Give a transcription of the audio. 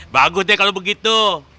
bagus deh kalau begitu